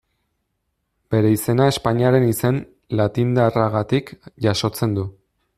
Bere izena Espainiaren izen latindarragatik jasotzen du.